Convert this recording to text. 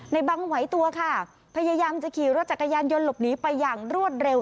บังไหวตัวค่ะพยายามจะขี่รถจักรยานยนต์หลบหนีไปอย่างรวดเร็ว